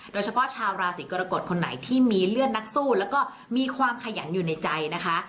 โดยเฉพาะชาวราศีกรกฎคนไหนที่มีเลือดนักสู้แล้วก็มีความขยันอยู่ในใจนะคะ